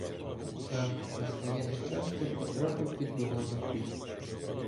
та, на своє нещастя, потрапив під Бугаїв дуб.